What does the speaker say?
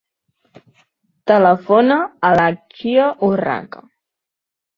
Telefona a l'Aicha Urraca.